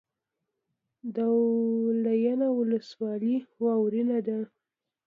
دولینه ولسوالۍ واورین ده؟